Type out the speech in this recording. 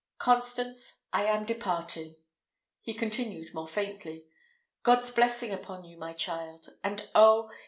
Constance, I am departing," he continued, more faintly: "God's blessing be upon you, my child! and, oh!